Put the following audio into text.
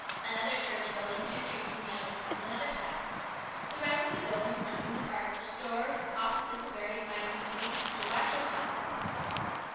Another church building, two streets from the other, formed another side. The rest of the buildings fronting the park were stores, offices of various mining companies, and a large hotel.